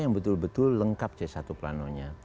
yang betul betul lengkap c satu planonya